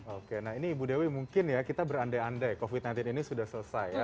oke nah ini ibu dewi mungkin ya kita berandai andai covid sembilan belas ini sudah selesai ya